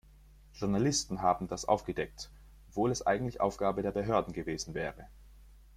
Journalisten haben das aufgedeckt, obwohl es eigentlich Aufgabe der Behörden gewesen wäre.